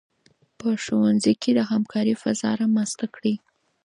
په ښوونځي کې د همکارۍ فضا رامنځته کړئ.